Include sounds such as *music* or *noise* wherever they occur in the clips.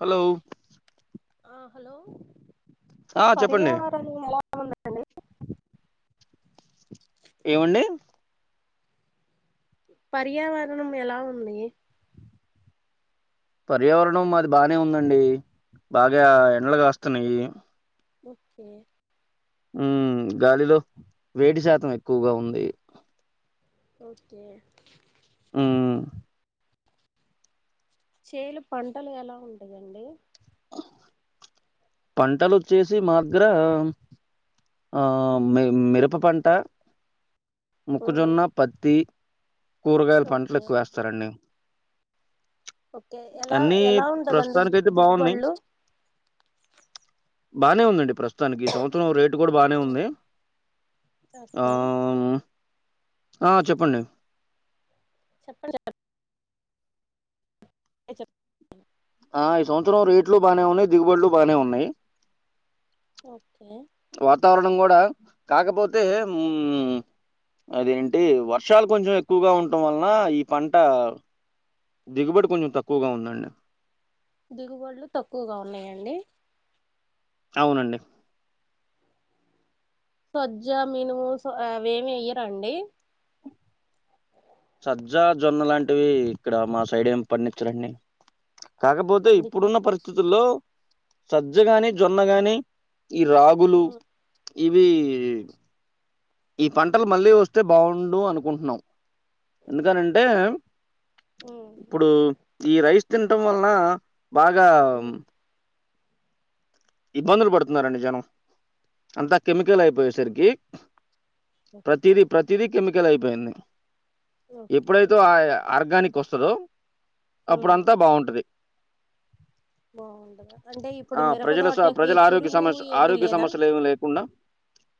Hello ఆ hello ఆ చెప్పండి పర్యావరణ ఎలా అలో ఏమండి పర్యావరణం ఎలా ఉంది పర్యావరణం మాది బానే ఉందండి బాగా ఎండలు కాస్తున్నాయి ఓకే ఉ గాలిలో వేడి శాతం ఎక్కువగా ఉంది ఓకే ఊ చేలు పంటలు ఎలా ఉంటదండి పంటలు వచ్చేసి మా దగ్గర ఆ ఆ మిరప పంట ఉమ్ ముక్కజొన్న పత్తి కూరగాయల పంటలు ఓకే ఎక్కువేస్తారండి ఓకే ఎలా అన్నీ ఎలా ఉంటదండి ప్రస్తుతానికైతే బాగున్నాయి దిగుబళ్ళు బానే ఉందండి ప్రస్తు తానికి ఈ సంవత్సరం రేటు కూడా బానే ఉంది ఆ ఓకే ఆ చెప్పండి చెప్పండి చెప్పండ్ చెప్ ఆ ఈ సంవత్సరం రేట్లు బానే ఉన్నాయి దిగుబడులు బానే ఉన్నాయి ఓకే వాతావరణం కూడా కాకపోతే ఉమ్మ్ అదేంటి వర్షాలు కొంచెం ఎక్కువగా ఉంటం వలన ఈ పంట దిగుబడి కొంచెం తక్కువగా ఉందండి దిగుబడులు తక్కువగా ఉన్నాయండి అవునండి సజ్జ మినుము స అవేమి ఎయ్యరాఅండి సజ్జా జొన్న లాంటివి ఇక్కడ మా సైడ్ ఏం పండిచ్చరండి కాకపోతే పండించరా ఇప్పుడున్న పరిస్థితుల్లో సజ్జగాని జొన్నగాని ఈ రాగులు ఇవీ ఈ పంటలు మళ్ళీ వస్తే బావుండు అనుకుటున్నాం ఎందుకనంటే ఇప్పుడు ఈ రైస్ తిటం వలన ఆ బాగా.. ఇబ్బందులు పడుతున్నరండి జనం అంతా కెమికల్ అయిపోయేసరికి ఓకే ప్రతీది ప్రతీదీ కెమికల్ అయిపోయింది ఓకే ఎప్పుడైతే ఆ ఎ ఆర్గానిక్ వస్తదో అప్పుడు అంతా బావుంటది బావుండదా అంటే ఇప్పుడు ఆ మీర ప్రజల స ప్రజల ఆరోగ్య సమస్ ఆరోగ్య సమస్యలు ఏమి లేకుండా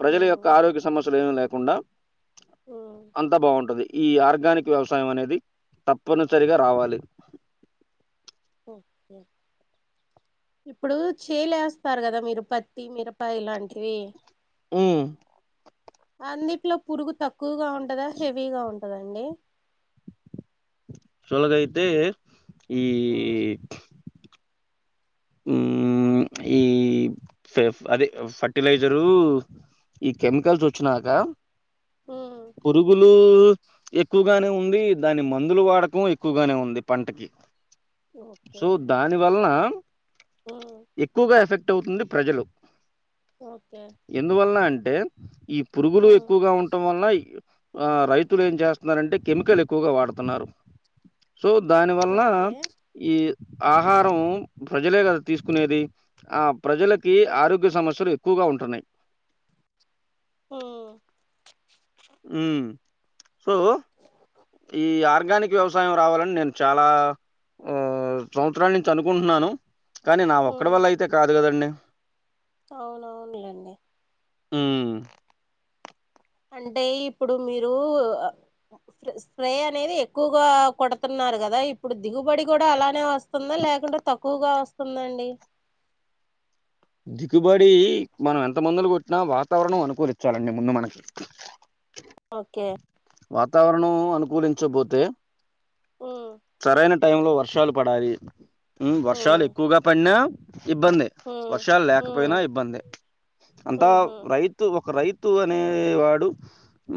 ప్రజల ఉమ్ యొక్క ఆరోగ్య సమస్యలు ఏమి లేకుండా ఉమ్ అంతా బావుంటది ఈ ఆర్గానిక్ వ్యవసాయం అనేది తప్పనిసరిగా రావాలి హు.. హు ఇప్పుడూ చేలేస్తారు గదా మీరు పత్తి మీరప ఇలాంటివి మ్ అందిట్లో పురుగు తక్కువగా ఉంటదా హెవీగా ఉంటదా అండి యాక్చువల్ గైతే... మ్ *inaudible* ప్చ్ ఈ.. ఫఫ్.. అదే ఫర్టిలైజరూ ఈ కెమికల్స్ వచ్చినాక మీడియం పురుగులూ ఎక్కువగానే ఉంది దాని మందులు వాడకం ఎక్కువగానే ఉంది పంటకి ఓకే సో దానివలన ఉమ్, ఎక్కువగా ఎఫెక్ట్ ఎఫెక్ట్ అవుతుంది ప్రజలు ఓకే ఎందువలన అంటే ఈ పురుగులు ఉమ్, ఎక్కువగా ఉంటం వలన ఈ ఆ రైతులు ఏం చేస్తున్నారంటే కెమికల్ ఎక్కువగా వాడుతన్నారు సో దాని వలన ఓకే ఈ ఆహారం ప్ ప్రజలే గదా తీసుకునేది ఆ ప్రజలకి ఉమ్, ఆరోగ్య సమస్యలు ప్ ఎక్కువగా ఉంటన్నాయ్ హా మ్.. సో ఈ ఆర్గానిక్ వ్యవసాయం రావాలని నేను చాలా ఓ సంవత్సరాల నుంచి అనుకుంటున్నాను కానీ నా ఒక్కడి వల్ల అయితే కాదు గదండి అవునవును లేండి మ్మ్ అంటే ఇప్పుడు మీరు స్ప్రే అనేది ఎక్కువగా కొడుతున్నారు కదా ఇప్పుడు దిగుబడి కూడా అలానే వస్ వస్తుందా లేకుంటే తక్కువగా వస్తుందండి దిగుబడి మనం ఎంత మందులు కొట్టినా వాతావరణం అనుకూలించాలండి ముందు మనకి ఓకే వాతావరణం అనుకూలించబోతే ఉ సరైన టైం లో వర్షాలు పడాలి ఉ వర్షాలు ఎక్కువగా పడినా ఇబ్బంది ఉ వర్షాలు ఉ లేకపోయినా ఇబ్బందే అంతా ఉహు రైతు ఒక రైతు అనే వాడు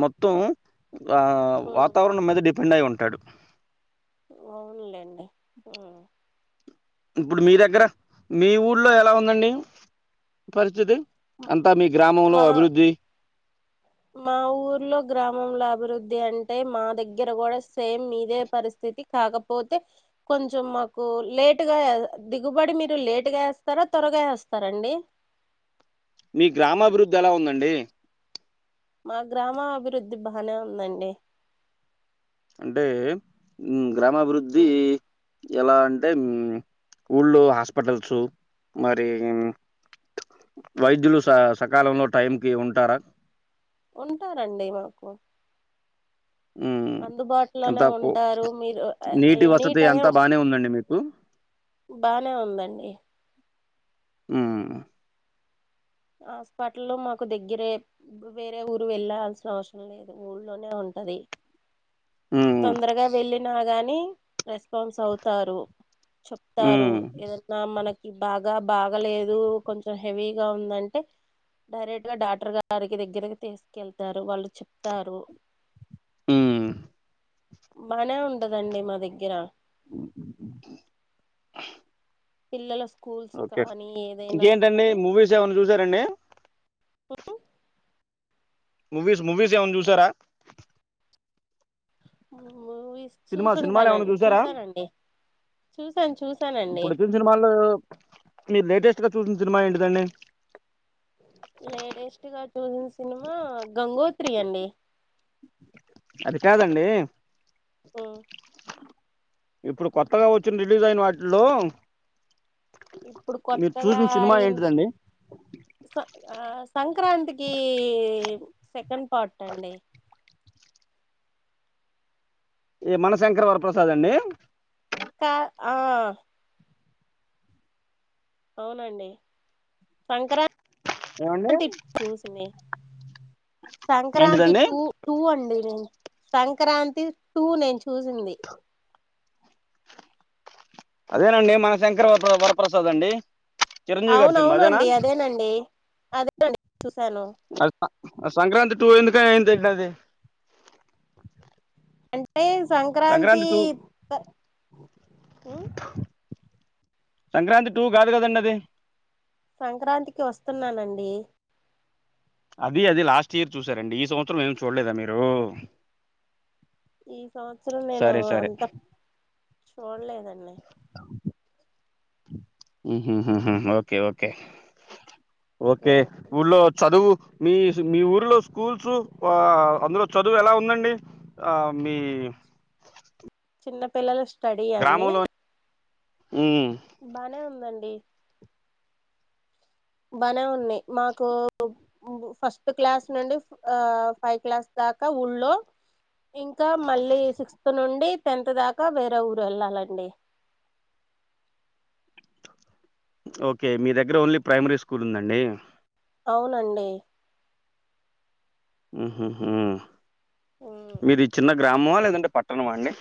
మొత్తం ఆ ఉ వాతావరణం మీద డిపెండ్ అయ్యి ఉంటాడు అవునులేండి ఇప్పుడు మీ దగ్గర మీ ఊర్లో ఎలా ఉందండి పరిస్థితి అంతా మీ గ్రామంలో మా అభివృద్ధి మా ఊర్లో గ్రామంలో అభివృద్ధి అంటే మా దగ్గర కూడా సేమ్ మీదే పరి కాకపోతే కొంచం మాకు లేటుగా దిగుబడి మీరు లేట్గా వేస్తారా త్వరగా వేస్తారండి మీ గ్రామాభివృద్ధి ఎలా ఉందండి మా గ్రామ అభివృద్ధి బానే ఉందండి అంటే గ్రామాభివృద్ధి ఉమ్, ఎలా అంటే ఊళ్ళు హాస్పిటల్స్ మరి వైద్యులు సకాలంలో టైంకిి ఉంటారా ఉంటారండి మాకు మ్మ్ అందుబాటులోనే ఉంటారు మీరు నీటి ఎనీ వసతి టైం అంతా బానే ఉందండి మీకు? బానే ఉందండి మ్మ్ హాస్పిటల్లో మాకు దగ్గరే వేరే ఊరు వెళ్ళల్సిన అవసరం లేదు ఊళ్లోనే ఉంట అది హ్మ్. తొందరగా వెళ్ళినా గానీ రెస్పాన్స్ అవుతారు చెప్తారు హ్మ్. ఏదైనా మనకి బాగా బాగలేదు కొంచెం హెవీగా ఉందం టే డైరెక్ట్ గా డాక్టర్ గారికి దగ్గరకి తీసుకెళ్తారు వాళ్ళు చెప్తారు మ్మ్ బానే ఉండదండి మా దగ్గర పిల్లలు ఓకే ఇంకేంటండి మూవీస్ ఏమన్నా చూసారండి మూవీస్ మూవీస్ ఏమనా చూసారా మూవీస్ చూసుంటానండి చూసానండి చూసాను చూసానండి ఇప్పుడుచ్చ సినిమాలో మీ లేటెస్ట్ చూసినా సినిమా ఏంటది అండి లేటెస్ట్ గా చూసిన సినిమా గంగోత్రి అండి అది కాదండి హ్మ్ ఇప్పుడు కొత్తగా వచ్చిన రిలీజ్ అయిన వాటిలో ఇప్పుడు కొత్తగా ఏంటిదండి? ఆ సంక్రాంతికి సెకండ్ పార్ట్ అండి ఈ మనశంకరవరప్రసాద్ అండి సా ఆ అవునండి ఏవండి? సంక్రాంతి చూసింది సంక్రాంతి ఏంటిదండి టూ టూ అండి నేన్ సంక్రాంతి టూ నేన్ చూసింది అదేనండి మన శంకర్ వరప్రసాద్ అండి చిరంజీవి గారి సినిమా అదేనా అవునవునండి అదేనండి అదే చూసాను ఆ ఆ ఆ సంక్రాంతి టూ ఎందుక అయిందండి అది అంటే సంక్రాంతి త ఉమ్ సంక్రాంతి టూ కాదు కదండి అది సంక్రాంతికి వస్తున్నానండి అది అది లాస్ట్ ఇయర్ చూసారండి ఈ సంవత్సరం ఏమి చూడలేదా మీరు ఈ సంవత్సరం నేను సరే సరే అంత చూడ్లేదండి ఉహుహు ఓకే ఓకే ఓకే ఉమ్, ఊళ్ళో చదువు మీ మీ ఊరిలో స్కూల్స్ ఆ అందులో చదువు ఎలా ఉందండి ఆ మీ చిన్న పిల్లలు స్టడీయా అడి గ్రామంలో ఉమ్, బానే ఉందండి ఏ బానే ఉన్నాయ్ మాకు ఫస్ట్ క్లాస్ నుండి ఆ ఫైవ్ క్లాస్ కాక ఊళ్ళో ఇంకా మళ్ళీ సిక్స్త్ నుండి టెన్త్ దాకా వేరే ఊరు వెళ్ళాలండి ఓకే మీ దగ్గర ఓన్లీ ప్రైమరీ స్కూల్ ఉందండి అవునండి ఉహుహు మీరు చిన్న గ్రామమా లేదండి పట్టణమా అండి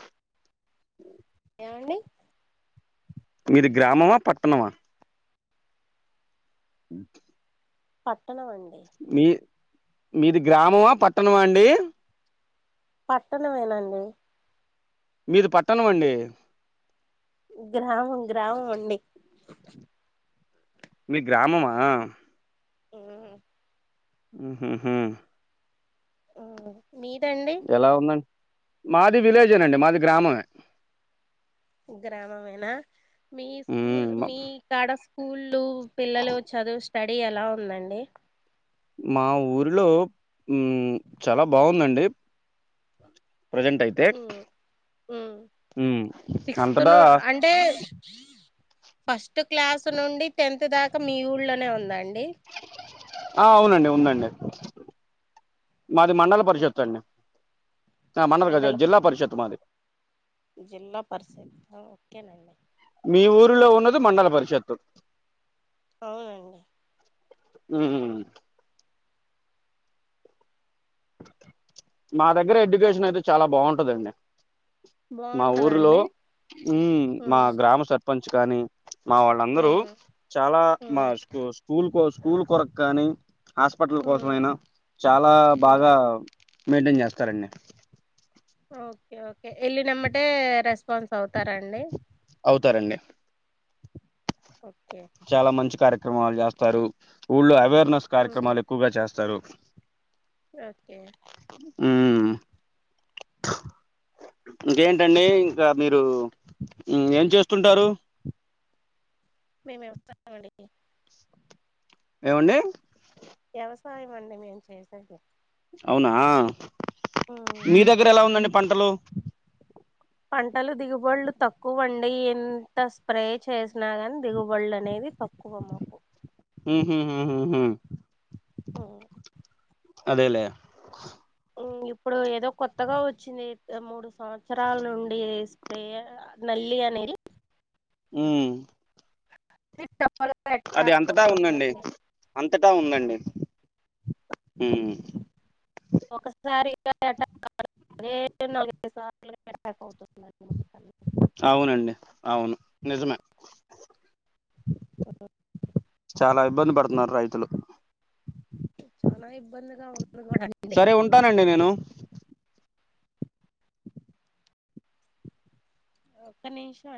ఏమండి మీది గ్రామమా పట్టణమా ఉ పట్టణం అండి మీది గ్రామమా పట్టణమా అండి పట్టణంమేనండి మీది పట్టణం అండి గ్రామం గ్రామం అండి మీ గ్రామమా ఉమ్ ఉహుహు ఉమ్ మీదండి ఎలా ఉందండి మాది విలేజేనండి మాది గ్రామమే గ్రామమేనా మీ స్కూల్ ఉమ్ మ మీ కాడ స్కూ స్కూళ్లు పిల్లలు చదువు స్టడీ ఎలా ఉందండి మా ఊరిలో ఉమ్ చాలా బాగుందండి ప్రజెంట్ అయితే ఉమ్ సిక్స్త్ అంతటా ను అంటే ఫస్ట్ క్లాస్ నుండి టెన్త్ దాకా మీ ఊళ్లోనే ఉందా అండి ఆ అవునండి ఉందండి మాది మండల పరిషత్ ఓకే అండి మండల్ కాదు మండలం జిల్లా పరిషత్ మాది జిల్లా పరిషత్ ఓకేనండి మీ ఊరిలో ఉన్నది మండల పరిషత్తు అవునండి ఉమ్ మా దగ్గర ఎడ్యుకేషన్ అయితే చాలా బాగుంటుందండి మా ఊర్లో బాగుంటదండి మా ఉమ్ గ్రామ సర్పంచ్ కానీ మా వాళ్ళందరూ ఉమ్ చాలా మా ఉమ్ స్కూ స్కూల్ స్కూల్ కొరకు కానీ హాస్పిటల్ ఉమ్ కోసం అయినా చాలా ఉమ్ బాగా మెయింటైన్ చేస్తారండి ఓకే ఓకే వెళ్ళిినమ్మటే రెస్పాన్స్ అవుతారంండి అవుతారండి చాలా మంచి కార్యక్రమాలు చేస్తారు ఊళ్ళ అవేర్నెస్ ఉమ్ కార్యక్రమాలు ఎక్కువగా చేస్తారు స్రుూప్ ఓకే ఆ ఇంకేంటండి ఇంకా మీరు ఏం చేస్తుంటారు మేముేస్తున్నామ అండి ఏమండి వ్యవసాయం అండి మేము చేసరిే అవునా ఉమ్ మీ దగ్గర ఎలా ఉందండి పంటలు పంటలు దిగుబడులు తక్కువండి ఎంత స్ప్రే చే కృణగన్ దిగుబళ్ళ అనేది పక్కువ మాకు హ ఆ అదేలేే ఇప్పుడు ఏదో కొత్తగా వచ్చింది మూడు సంవత్సరాల నుండి స్ప్రే న వెల్లి అనేది అ పెట్ట ఉందండి అంతటా ఉందండి ఉమ్ ఒకసారి అటాక్ అవుతుందిన్నమాట అవునండి అవును నిజమే చాలా ఇబ్బంది పడుతున్నారు రైతులు చాలా ఇబ్బందిగా ఉంది కూడా అండి సరే ఉంటానండి నేను ఒక్క నిమిషం అడి